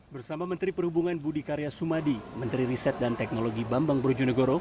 bersama menteri perhubungan budi karya sumadi menteri riset dan teknologi bambang brojonegoro